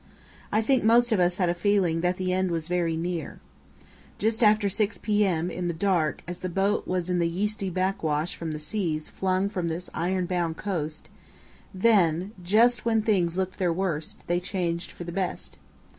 I think most of us had a feeling that the end was very near. Just after 6 p.m., in the dark, as the boat was in the yeasty backwash from the seas flung from this iron bound coast, then, just when things looked their worst, they changed for the best.